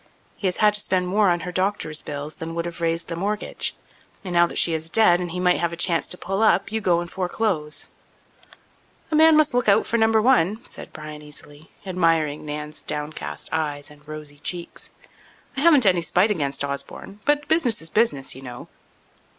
He has had to spend more on her doctor's bills than would have raised the mortgage. And now that she is dead and he might have a chance to pull up, you go and foreclose." "A man must look out for Number One," said Bryan easily, admiring Nan's downcast eyes and rosy cheeks. "I haven't any spite against Osborne, but business is business, you know."